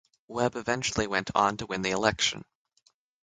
Webb eventually went on to win the election.